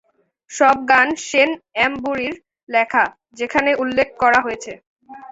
সব গান শেন এমবুরির লেখা, যেখানে উল্লেখ করা হয়েছে।